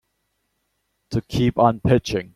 To keep on pitching.